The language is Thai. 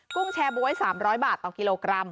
กุ้งแชร์บ๊วย๓๐๐บาทต่อกิโลกรัม